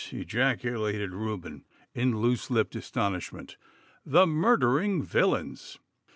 ejaculated Reuben in loose lipped astonishment. 'The murdering villains!